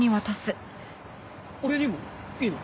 俺にも？いいの？